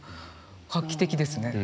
画期的ですね。